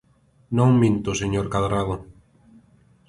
Non minto, señor Cadrado.